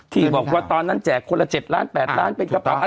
ที่บอกว่าตอนนั้นแจกคนละ๗ล้าน๘ล้านเป็นกระเป๋า